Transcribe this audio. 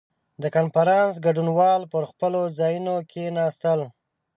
• د کنفرانس ګډونوال پر خپلو ځایونو کښېناستل.